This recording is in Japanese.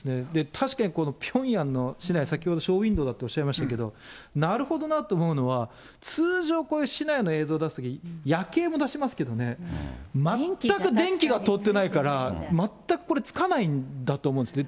確かにこのピョンヤンの市内、先ほどショーウィンドーだっておっしゃいましたけど、なるほどなと思うのは、通常こういう市内の映像出すとき、夜景も出しますけどね、全く電気が通ってないから、全くこれつかないんだと思うんですね。